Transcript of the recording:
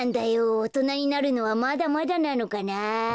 おとなになるのはまだまだなのかなあ。